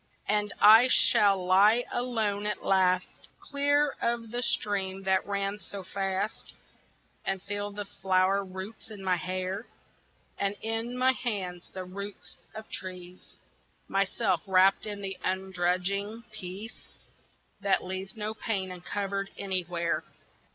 AND I shall lie alone at last, Clear of the stream that ran so fast, And feel the flower roots in my hair, And in my hands the roots of trees; Myself wrapt in the ungrudging peace That leaves no pain uncovered anywhere.